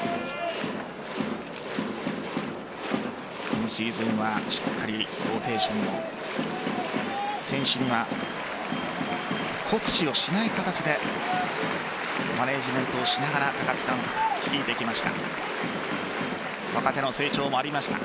今シーズンはしっかりローテーションも選手には酷使をしない形でマネジメントをしながら高津監督、率いてきました。